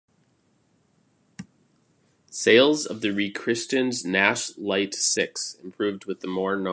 Sales of the rechristened Nash Light Six improved with the more known moniker.